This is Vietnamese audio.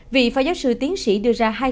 vị phó giáo sư tiến sĩ đưa ra hai khả năng